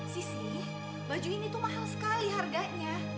sisi baju ini tuh mahal sekali harganya